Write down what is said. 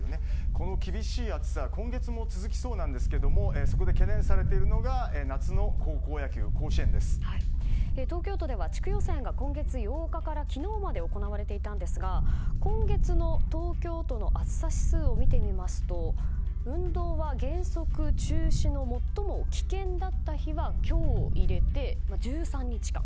この厳しい暑さ来月も続きそうなんですけどもそこで懸念されているのが東京都では地区予選が今月８日から昨日まで行われていたんですが今月の東京都の暑さ指数を見てみますと運動は原則中止の最も危険だった日は今日を入れて１３日間。